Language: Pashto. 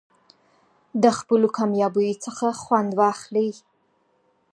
د خپلو کامیابیو څخه خوند واخلئ.